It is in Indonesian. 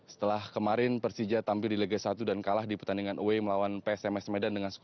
setelah kemarin persija tampil di lega satu dan kalah di pertandingan ue melawan psms medan dengan skor satu tiga